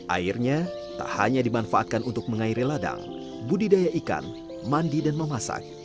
airnya tak hanya dimanfaatkan untuk mengairi ladang budidaya ikan mandi dan memasak